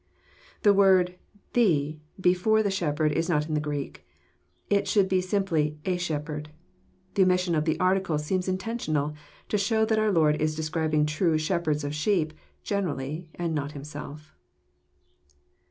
The word " the " before shepherd is not in the Greek. II should be simply, " a shepherd." The omission of the article seems intentional, to show that our Lord is describing tm« " shepherds of sheep " generally, and not Himself.